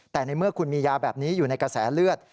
แต่ในเมื่อคุณมียาแบบนี้อยู่ในกระแสเลือด